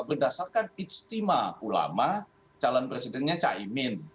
berdasarkan istimewa ulama calon presidennya caimin